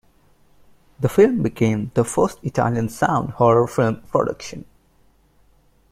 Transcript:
The film became the first Italian sound horror film production.